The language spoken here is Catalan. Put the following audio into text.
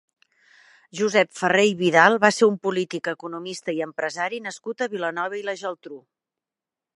Josep Ferrer i Vidal va ser un polític, economista i empresari nascut a Vilanova i la Geltrú.